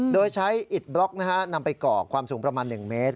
โดยใช้อิดบล็อกนำไปก่อความสูงประมาณ๑เมตร